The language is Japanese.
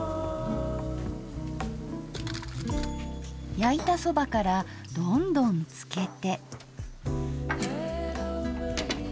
焼いたそばからどんどん漬けて。